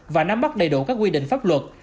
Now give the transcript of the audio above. và nắm bắt đầy đủ các quy định pháp luật